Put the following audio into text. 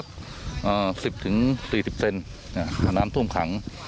อ่าสิบถึงสี่สิบเซนเนี้ยหาน้ำตูมขัง